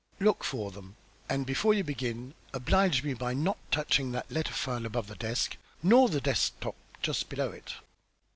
"Look for them. And, before you begin, oblige me by not touching that letter file above the desk, nor the desk top just below it."